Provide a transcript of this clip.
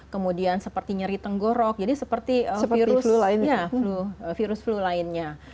kemudian seperti nyeri tenggorok jadi seperti virus flu lainnya